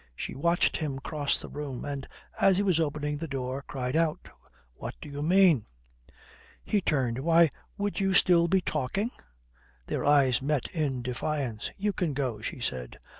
She watched him cross the room, and, as he was opening the door, cried out, "What do you mean?" He turned. "Why, would you still be talking?" Their eyes met in defiance. "You can go," she said.